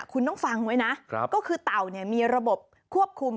คุณต้องฟังไว้นะก็คือเต่ามีระบบควบคุม